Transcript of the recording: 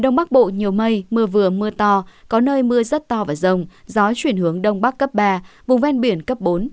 trong mưa bắc bộ nhiều mây mưa vừa mưa to có nơi mưa rất to và rồng gió chuyển hướng đông bắc cấp ba vùng ven biển cấp bốn